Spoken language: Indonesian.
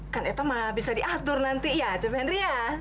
kan itu mah bisa diatur nanti ya juve henry ya